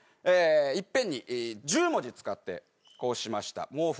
いっぺんに１０文字使ってこうしました。